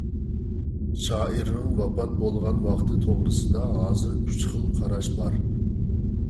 شائىرنىڭ ۋاپات بولغان ۋاقتى توغرىسىدا ھازىر ئۈچ خىل قاراش بار.